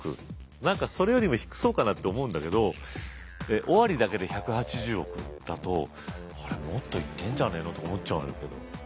何かそれよりも低そうかなって思うんだけど尾張だけで１８０億だとあれもっといってんじゃねえのって思っちゃうんだけど。